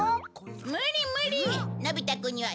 無理、無理。